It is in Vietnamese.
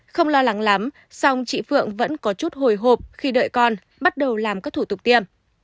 không lo lắng lắm song chị phượng vẫn có chút hồi hộp khi đợi con bắt đầu làm các thủ tục tiêm